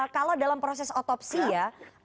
kalau dalam proses otopsi ya